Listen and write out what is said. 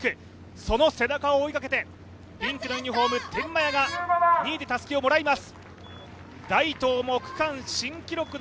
その背中を追いかけてピンクのユニフォーム天満屋が２位でたすきをもらいます。